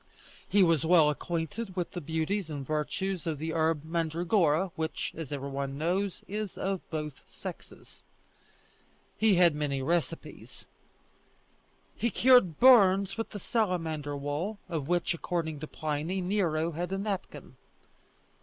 He was well acquainted with the beauties and virtues of the herb mandragora, which, as every one knows, is of both sexes. He had many recipes. He cured burns with the salamander wool, of which, according to Pliny, Nero had a napkin.